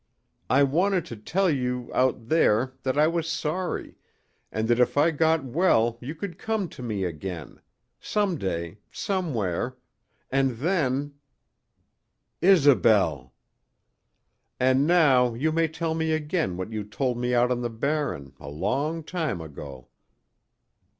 I wanted to tell you out there that I was sorry and that if I got well you could come to me again some day somewhere and then " "Isobel!" "And now you may tell me again what you told me out on the Barren a long time ago."